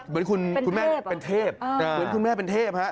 เหมือนคุณแม่เป็นเทพ